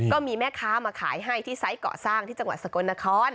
ก็มีแม่ค้ามาขายให้ที่ไซส์เกาะสร้างที่จังหวัดสกลนคร